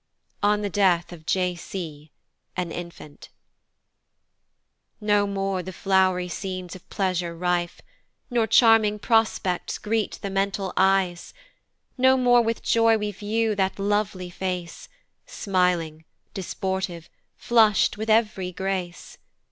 On the Death of J. C. an Infant. NO more the flow'ry scenes of pleasure rife, Nor charming prospects greet the mental eyes, No more with joy we view that lovely face Smiling, disportive, flush'd with ev'ry grace.